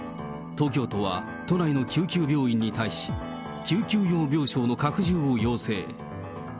東京都は都内の救急病院に対し、救急用病床の拡充を要請。